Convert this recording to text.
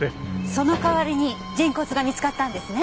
その代わりに人骨が見つかったんですね？